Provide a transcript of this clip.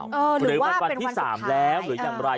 หรือว่าเป็นวันสุดท้ายหรือวันวันที่สามแล้วหรืออย่างไร